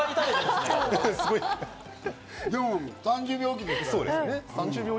でも、３０秒おきだから。